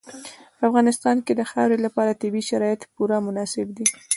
په افغانستان کې د خاورې لپاره طبیعي شرایط پوره مناسب دي.